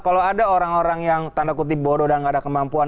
kalau ada orang orang yang tanda kutip bodoh dan nggak ada kemampuan